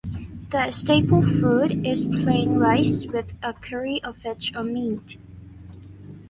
The staple food is plain rice with a curry of fish or meat.